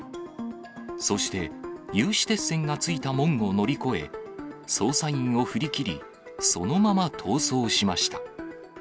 そして有刺鉄線がついた門を乗り越え、捜査員を振り切り、そのまま逃走しました。